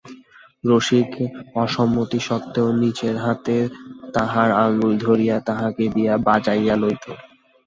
রসিক অসম্মতিসত্ত্বেও নিজের হাতে তাহার আঙুল ধরিয়া তাহাকে দিয়া বাজাইয়া লইত।